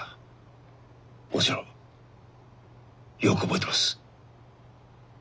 もちろんよく覚えてます。